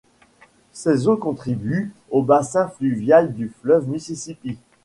Ses eaux contribuent au bassin fluvial du fleuve Mississippi.